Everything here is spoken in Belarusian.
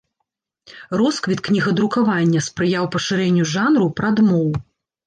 Росквіт кнігадрукавання спрыяў пашырэнню жанру прадмоў.